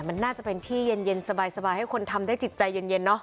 มันน่าจะเป็นที่เย็นสบายให้คนทำได้จิตใจเย็นเนอะ